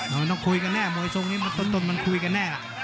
น้องคุยกันแน่มวยทรงนี้ต้นมันคุยกันแน่